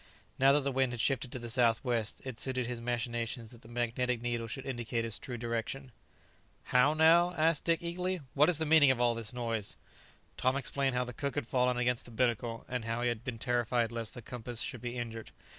Now that the wind had shifted to the south west, it suited his machinations that the magnetic needle should indicate its true direction. [Illustration: Quick as lightning, Dick Sands drew a revolver from his pocket.] "How now?" asked Dick eagerly; "what is the meaning of all this noise?" Tom explained how the cook had fallen against the binnacle, and how he had been terrified lest the compass should be injured.